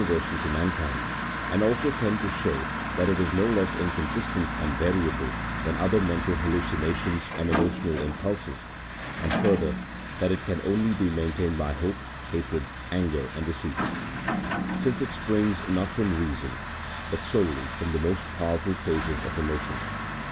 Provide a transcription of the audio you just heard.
5 versal to mankind, and also tends to show, that it is no less inconsistent and variable than other mental hallucinations and emotional impulses, and further that it can only be maintained by hope, hatred, anger, and deceit; since it springs, not from reason, but solely from the more powerful phases of emotion.